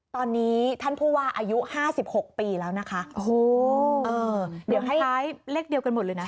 ตอนนี้ท่านผู้ว่าอายุห้าสิบหกปีแล้วนะคะโอ้โหเออเดี๋ยวคล้ายเลขเดียวกันหมดเลยนะ